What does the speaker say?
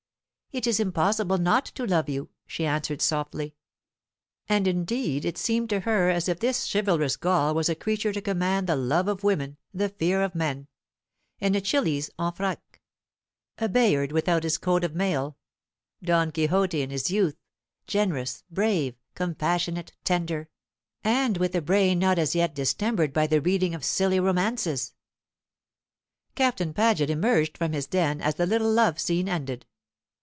"It is impossible not to love you," she answered softly. And indeed it seemed to her as if this chivalrous Gaul was a creature to command the love of women, the fear of men; an Achilles en frac; a Bayard without his coat of mail; Don Quixote in his youth, generous, brave, compassionate, tender, and with a brain not as yet distempered by the reading of silly romances. Captain Paget emerged from his den as the little love scene ended.